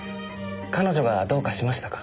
彼女がどうかしましたか？